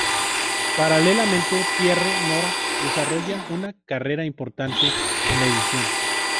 Paralelamente, Pierre Nora desarrolla una carrera importante en la edición.